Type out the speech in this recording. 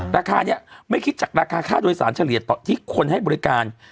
ราคานี้ไม่คิดจากราคาค่าโดยสารเฉลี่ยต่อที่คนให้บริการ